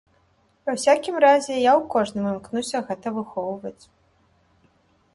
Ва ўсякім разе, я ў кожным імкнуся гэта выхоўваць.